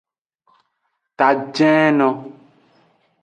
Tajeno.